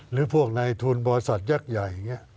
หรือพวกในทุนบอสัตยักษ์ใหญ่